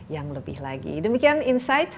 yang lebih lagi demikian insight